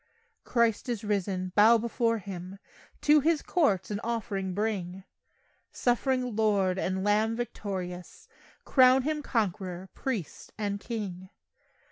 Christ is risen! Bow before Him, To His courts an offering bring; Suffering Lord and Lamb victorious, Crown Him Conquerer, Priest and King.